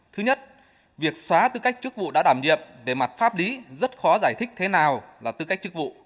thứ nhất việc xóa tư cách chức vụ đã đảm nhiệm về mặt pháp lý rất khó giải thích thế nào là tư cách chức vụ